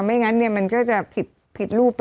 ไม่อย่างนั้นเนี่ยมันก็จะผิดรูปไป